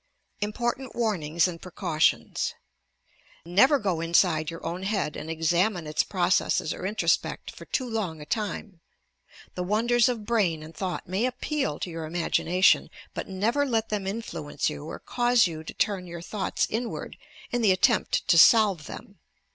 IMPORTANT WARNINGS AND PRECAUTIONS Never go inside your own head and examine its pro cesses or introspect for too long a time. The wonders of brain and thought may appeal to your imagination, but never let them influence you or cause you to turn your thoughts inward in the attempt to solve them.